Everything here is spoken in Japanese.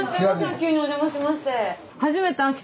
急におじゃましまして。